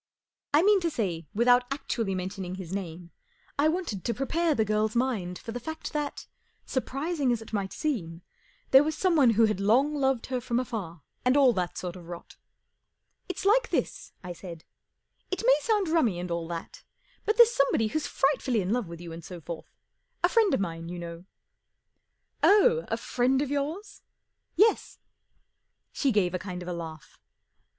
I mean to say, without actually mentioning his name, I wanted to prepare the girl's mind for the fact that, surprising as it might seem, there was some¬ one who had long loved her from afar and all that sort of rot. " It's like this," I said. 44 It may sound rummy and all that, but there's somebody who's frightfully in love with you and so forth—a friend of mine, you know." Oh, a friend of yours ?" 44 Yes." She gave a kind of a laugh.